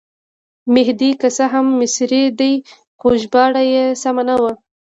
مهدي که څه هم مصری دی خو ژباړه یې سمه نه وه.